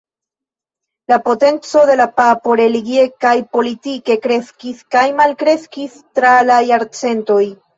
La potenco de la papo, religie kaj politike, kreskis kaj malkreskis tra la jarcentoj.